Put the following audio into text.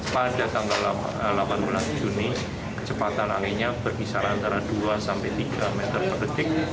pada tanggal delapan belas juni kecepatan anginnya berkisar antara dua sampai tiga meter per detik